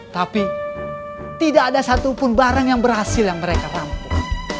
tapi tidak ada satupun barang yang berhasil yang mereka tampung